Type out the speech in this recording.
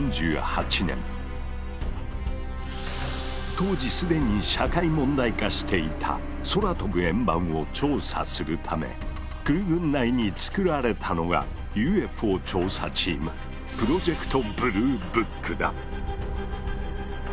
☎当時既に社会問題化していた「空飛ぶ円盤」を調査するため空軍内に作られたのがＵＦＯ調査チーム「プロジェクト・ブルーブック」だ。